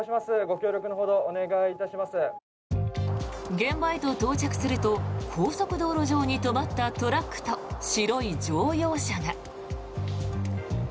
現場へと到着すると高速道路上に止まったトラックと白い乗用車が。